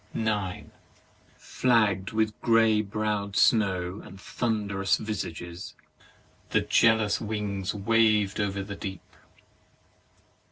9. Flagg'd with grey browM snows and thunderous visages, the jealous wings wavM over the deep.